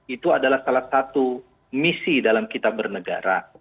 itu adalah salah satu misi dalam kita bernegara